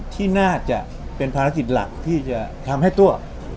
ที่น่าจะเป็นภารกิจหลักที่จะทำให้ตัว